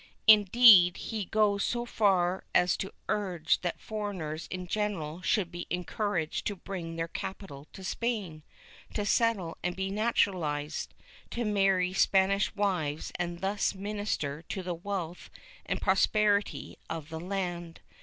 Indeed, he goes so far as to urge that foreigners in general should be encour aged to bring their capital to Spain, to settle and be naturalized, to marry Spanish wives and thus minister to the wealth and pros perity of the land.